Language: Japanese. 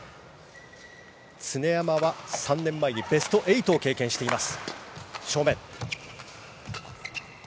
常山は３年前にベスト８を経験しています。